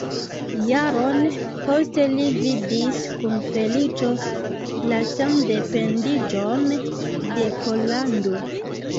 Jaron poste li vidis kun feliĉo la sendependiĝon de Pollando.